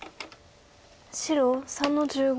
白３の十五。